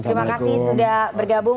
terima kasih sudah bergabung